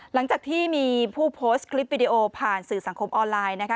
หลังจากที่มีผู้โพสต์คลิปวิดีโอผ่านสื่อสังคมออนไลน์นะคะ